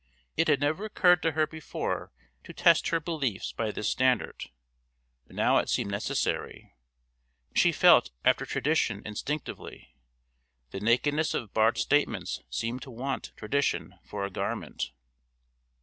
It had never occurred to her before to test her beliefs by this standard, but now it seemed necessary; she felt after tradition instinctively. The nakedness of Bart's statements seemed to want tradition for a garment.